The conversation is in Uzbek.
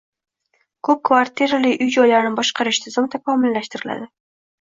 Ko‘p kvartirali uy-joylarni boshqarish tizimi takomillashtiriladi